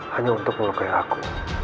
hanya untuk melukai aku